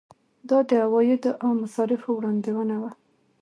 دا د عوایدو او مصارفو وړاندوینه وه.